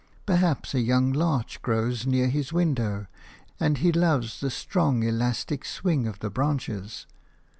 Perhaps a young larch grows near his window, and he loves the strong, elastic swing of the branches.